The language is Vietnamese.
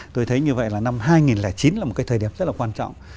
tôi thấy như vậy là năm hai nghìn chín là một cái thời điểm rất là quan trọng